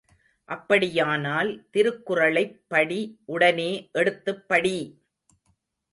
அப்படியானால், திருக்குறளைப் படி உடனே எடுத்துப் படி!